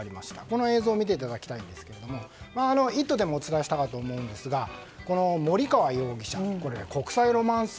この映像を見ていただきたいんですが「イット！」でもお伝えしたかと思うんですが森川容疑者国際ロマンス